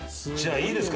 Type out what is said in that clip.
いいですか。